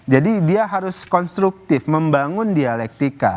jadi dia harus konstruktif membangun dialektika